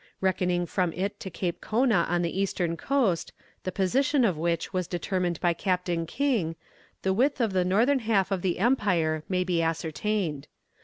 Reckoning from it to Cape Kona on the eastern coast, the position of which was determined by Captain King, the width of the northern half of the empire may be ascertained.